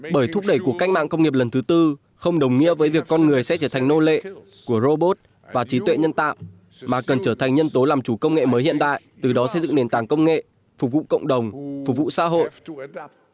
bởi thúc đẩy cuộc cách mạng công nghiệp lần thứ tư không đồng nghĩa với việc con người sẽ trở thành nô lệ của robot và trí tuệ nhân tạo mà cần trở thành nhân tố làm chủ công nghệ mới hiện đại từ đó xây dựng nền tảng công nghệ phục vụ cộng đồng phục vụ xã hội